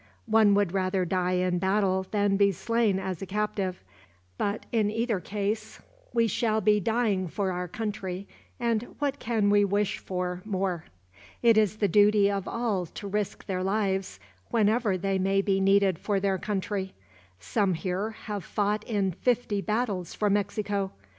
One would rather die in battle than be slain as a captive; but in either case we shall be dying for our country, and what can we wish for more? It is the duty of all to risk their lives, whenever they be needed for their country. Some here have fought in fifty battles for Mexico.